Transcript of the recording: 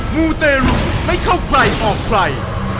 มูเตรุให้เข้าใกล้ออกไฟ